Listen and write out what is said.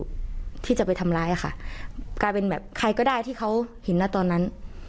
ที่จะไปทำร้ายค่ะกลายเป็นแบบใครก็ได้ที่เขาเห็นนะตอนนั้น